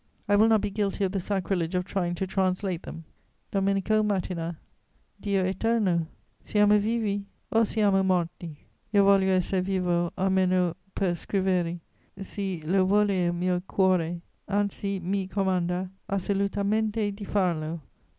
I will not be guilty of the sacrilege of trying to translate them: "Domenico, mattina. "Dio eterno? siamo vivi, o siamo morti? lo voglio esser vivo, almeno per scriveri; si, lo vuole il mio cuore, anzi mi comanda assolutamente di farlo.